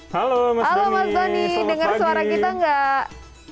halo mas donny dengar suara kita gak